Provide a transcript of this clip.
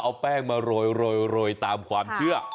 เอาแป้งมาโรยตามความเชื่อ